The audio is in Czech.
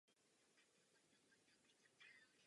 Stal se známým jako fotbalový bavič.